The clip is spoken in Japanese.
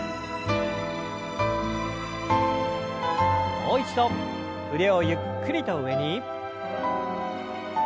もう一度腕をゆっくりと上に。